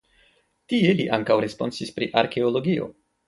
Tie li ankaŭ responsis pri arkeologio.